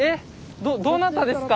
どどなたですか？